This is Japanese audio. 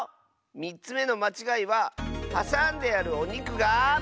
３つめのまちがいははさんであるおにくが。